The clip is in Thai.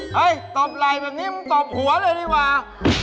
เฮ้ยตบไหล่แบบนี้ตบหัวเลยดีกว่า